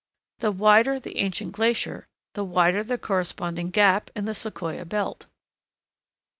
The wider the ancient glacier, the wider the corresponding gap in the Sequoia belt.